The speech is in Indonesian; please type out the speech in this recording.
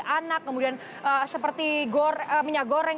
anak kemudian seperti minyak goreng